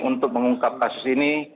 untuk mengungkap kasus ini